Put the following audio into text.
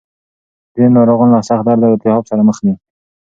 ځینې ناروغان له سخت درد او التهاب سره مخ دي.